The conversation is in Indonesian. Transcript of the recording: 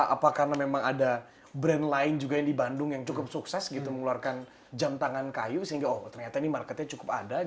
apa karena memang ada brand lain juga yang di bandung yang cukup sukses gitu mengeluarkan jam tangan kayu sehingga oh ternyata ini marketnya cukup ada